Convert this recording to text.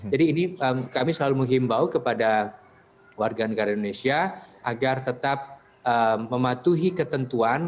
jadi ini kami selalu mengimbau kepada warga negara indonesia agar tetap mematuhi ketentuan